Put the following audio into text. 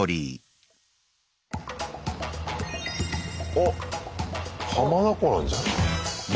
おっ浜名湖なんじゃない？かも。